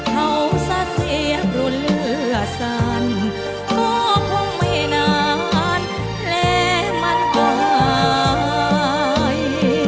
เท่าซะเสียหรือเหลือสันก็คงไม่นานและมันบาย